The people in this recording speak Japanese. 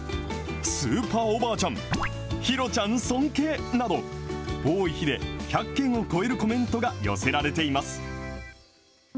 スーパーおばあちゃん、ひろちゃん尊敬など、多い日で１００件を超えるコメントが寄せられています。